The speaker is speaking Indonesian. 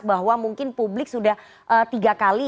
bahwa mungkin publik sudah tiga kali